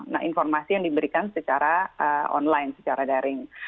nah informasi yang diberikan secara online secara daring